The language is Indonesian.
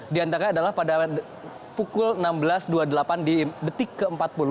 di antara adalah pada pukul enam belas dua puluh delapan di detik ke empat puluh